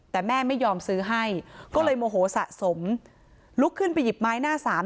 แต่แม่ไม่ยอมซื้อให้ก็เลยโมโหสะสมลุกขึ้นไปหยิบไม้หน้าสาม